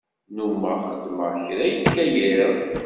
Nnumeɣ xeddmeɣ kra ikka yiḍ.